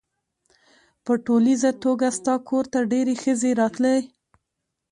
په ټولیزه توګه ستا کور ته ډېرې ښځې راتلې.